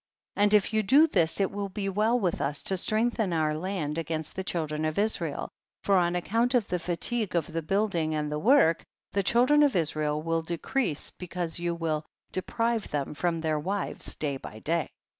14. And if you do this it will be well with us to strengthen our land against the children of Israel, for on account of the fatigue of the building and the work, the children of Israel 206 THE BOOK OF JASHER. will decrease, because you will de prive them from their wives day by day.